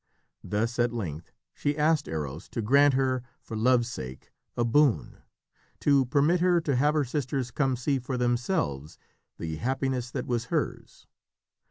Thus at length she asked Eros to grant her, for love's sake, a boon to permit her to have her sisters come to see for themselves the happiness that was hers.